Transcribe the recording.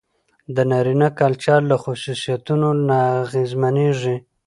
د نارينه کلچر له خصوصيتونو نه اغېزمنېږي.